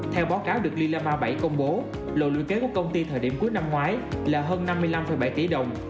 theo báo cáo được lilama bảy công bố lỗ lưu kế của công ty thời điểm cuối năm ngoái là hơn năm mươi năm bảy